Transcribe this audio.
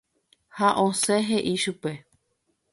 ha osẽ he'i chupe